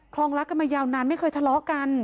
ลองรักกันมายาวนานไม่เคยทะเลาะกัน